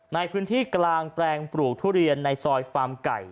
ในพื้นที่กลางแปลงปลูกทุเรียนในซอยฟาร์มไก่